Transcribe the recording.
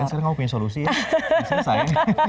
bukan sekarang kamu punya solusi ya